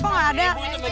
kok nggak ada